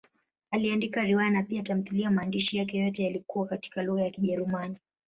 Aliandika riwaya na pia tamthiliya; maandishi yake yote yalikuwa katika lugha ya Kijerumani.